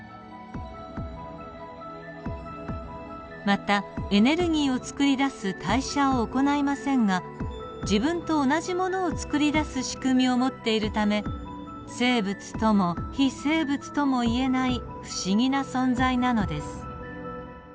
またエネルギーをつくり出す代謝を行いませんが自分と同じものをつくり出す仕組みを持っているため生物とも非生物ともいえない不思議な存在なのです。